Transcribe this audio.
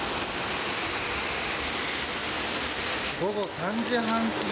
午後３時半すぎ